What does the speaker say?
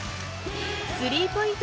スリーポイント